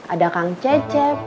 ada kang cecep